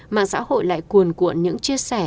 mạng xã hội lại cuồn cuộn những chia sẻ